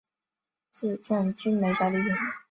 致赠精美小礼物